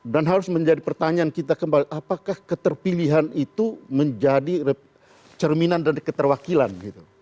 dan harus menjadi pertanyaan kita kembali apakah keterpilihan itu menjadi cerminan dari keterwakilan gitu